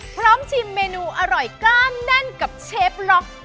ชิมเมนูอร่อยกล้ามแน่นกับเชฟล็อก